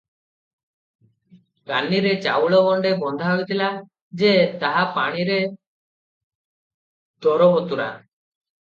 କାନିରେ ଚାଉଳ ଗଣ୍ଡେ ବନ୍ଧା ହୋଇଥିଲା ଯେ, ତାହା ପାଣିରେ ଦରବତୁରା ।